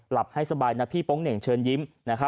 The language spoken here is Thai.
ให้สบายนะพี่โป๊งเหน่งเชิญยิ้ม